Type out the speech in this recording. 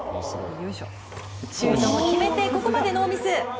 シュートを決めてここまでノーミス。